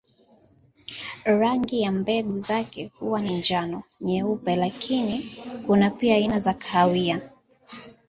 Rangi ya mbegu zake huwa ni njano, nyeupe lakini kuna pia aina za kahawia.